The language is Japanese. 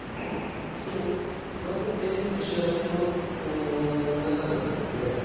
その三間飛車の中でもですねえ